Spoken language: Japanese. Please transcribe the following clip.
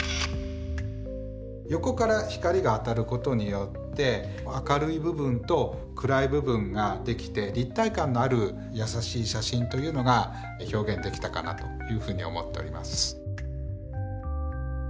横から光が当たることによって明るい部分と暗い部分が出来て立体感のあるやさしい写真というのが表現できたかなというふうに思っております。